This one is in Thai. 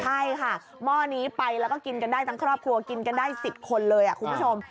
ใช่ค่ะหม้อนี้ไปแล้วก็กินกันได้ทั้งครอบครัวกินกันได้๑๐คนเลยคุณผู้ชม